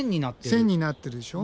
線になってるでしょ。